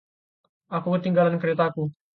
Aku ketinggalan keretaku.